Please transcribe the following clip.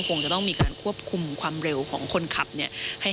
คงจะต้องมีการควบคุมความเร็วของคนขับเนี่ย